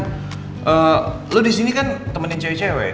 eeeh lu disini kan temenin cewek cewek